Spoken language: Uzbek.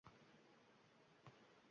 Qalbim o’rtamoqda so’ngsiz armonim…